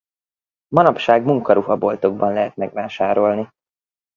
Manapság munkaruha-boltokban lehet megvásárolni.